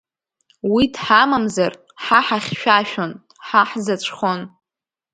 Уи дҳамамзар, ҳа ҳахьшәашәон, ҳа ҳзаҵәхон…